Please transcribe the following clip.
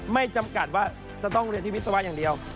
ไม่จำกัดว่าจะต้องเรียนที่วิศวะอย่างเดียว